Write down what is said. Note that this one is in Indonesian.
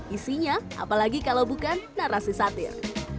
isinya apalagi kalau bukan narasi satir